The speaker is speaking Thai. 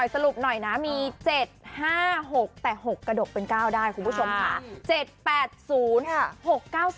สรุปหน่อยนะมี๗๕๖แต่๖กระดกเป็น๙ได้คุณผู้ชมค่ะ